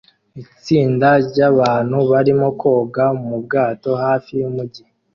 Itsinda ryabantu barimo koga mu bwato hafi yumujyi